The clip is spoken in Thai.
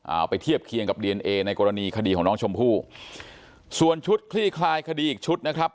เอาไปเทียบเคียงกับดีเอนเอในกรณีคดีของน้องชมพู่ส่วนชุดคลี่คลายคดีอีกชุดนะครับ